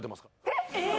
えっ！？